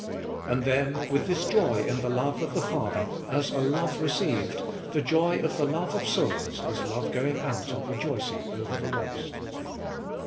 And then, with this joy in the love of the Father, as a love received, the joy of the love of souls, as love going out and rejoicing over the lost.